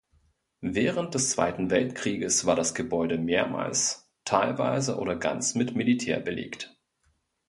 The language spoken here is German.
Während des Zweiten Weltkrieges war das Gebäude mehrmals teilweise oder ganz mit Militär belegt.